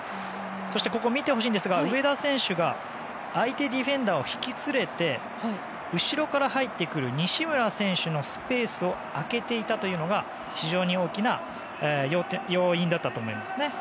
そしてここ、見てほしいんですが上田選手が相手ディフェンダーを引き連れて後ろから入ってくる西村選手のスペースを空けていたというのが非常に大きな要因でしたね。